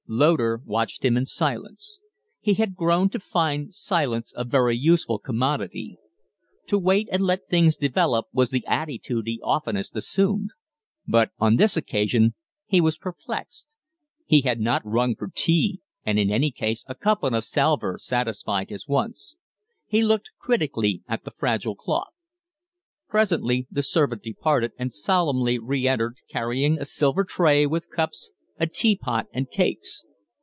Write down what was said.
Loder watched him in silence. He had grown to find silence a very useful commodity. To wait and let things develop was the attitude he oftenest assumed. But on this occasion he was perplexed. He had not rung for tea, and in any case a cup on a salver satisfied his wants. He looked critically at the fragile cloth. Presently the servant departed, and solemnly reentered carrying a silver tray, with cups, a teapot, and cakes.